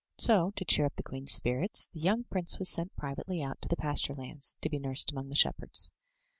So to cheer up the queen's spirits, the young prince was sent privately out to the pasture lands, to be nursed among the shepherds.